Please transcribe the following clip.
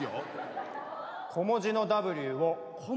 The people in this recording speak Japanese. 小文字の「ｗ」を？